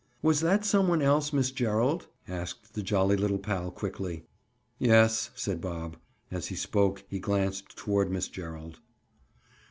"Was that some one else Miss Gerald?" asked the jolly little pal quickly. "Yes," said Bob. As he spoke he glanced toward Miss Gerald.